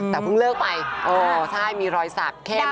แต่เพิ่งเลิกไปเออใช่มีรอยสักเข้ม